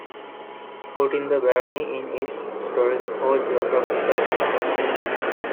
Putting the barony in its historico-geographical context.